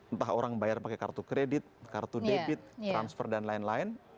entah orang bayar pakai kartu kredit kartu debit transfer dan lain lain